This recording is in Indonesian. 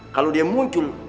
kalau dia muncul